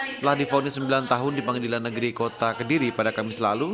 setelah difonis sembilan tahun di pengadilan negeri kota kediri pada kamis lalu